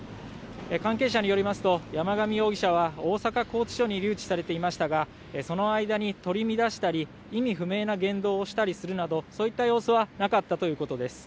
関係者によりますと山上容疑者は大阪拘置所に留置されていましたがその間に取り乱したり意味不明な言動をするなどそういった様子はなかったということです。